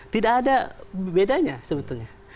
tidak ada bedanya sebetulnya